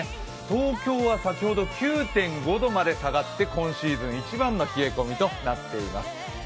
東京は先ほど９．５度まで下がって今シーズン一番の冷え込みとなっています。